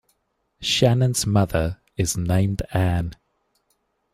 Shannon's mother is named Ann.